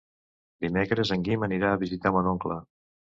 Dimecres en Guim anirà a visitar mon oncle.